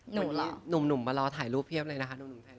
หนุ่มมารอถ่ายรูปเพียบเลยนะ